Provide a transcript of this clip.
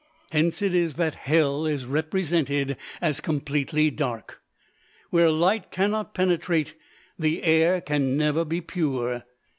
Hence it is that Hell is represented as completely dark. Where light cannot penetrate, the air can never be pure.